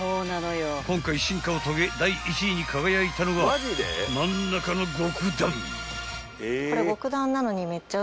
［今回進化を遂げ第１位に輝いたのが真ん中の極暖］